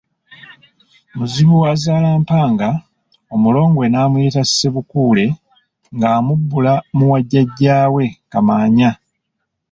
Muzibuazaala Mpanga, Omulongo we n'amuyita Ssebukuule ng'amubbula mu wa Jjajjaawe Kamaanya.